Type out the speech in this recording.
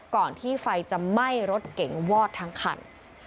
ก่อนที่ไฟจะไหม้รถเก๋งวอดทั้งคัน